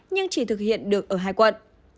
nhưng chỉ thực hiện được ở hai quận